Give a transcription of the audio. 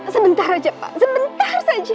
sebentar saja pak sebentar saja